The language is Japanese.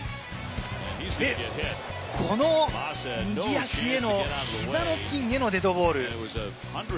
そしてこの右足、膝の付近へのデッドボール。